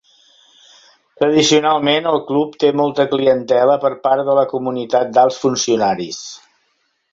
Tradicionalment, el Club té molta clientela per part de la comunitat d'alts funcionaris.